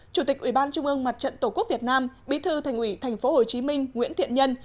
chủ tịch ủy ban trung ương mặt trận tổ quốc việt nam bí thư thành ủy tp hcm nguyễn thiện nhân